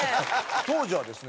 当時はですね